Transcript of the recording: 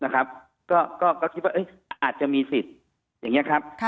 ก็คิดว่าอาจจะมีสิทธิ์อย่างนี้ครับ